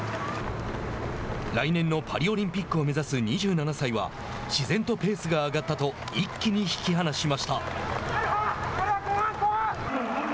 来年のパリオリンピックを目指す２７歳は自然とペースが上がったと一気に引き離しました。